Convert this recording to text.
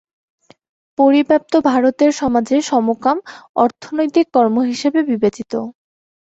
পরিব্যাপ্ত ভারতের সমাজে সমকাম অনৈতিক কর্ম হিসেবে বিবেচিত।